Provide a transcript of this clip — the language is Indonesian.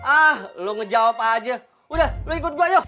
ah lu ngejawab aja udah lu ikut gua yuk